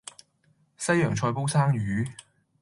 西洋菜煲生魚